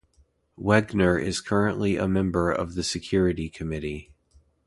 Wegener is currently a member of the Security Committee.